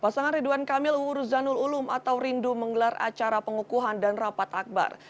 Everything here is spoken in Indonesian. pasangan ridwan kamil uur zanul ulum atau rindu menggelar acara pengukuhan dan rapat akbar